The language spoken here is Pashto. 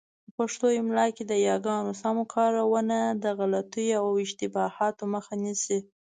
په پښتو املاء کي د یاګانو سمه کارونه د غلطیو او اشتباهاتو مخه نیسي.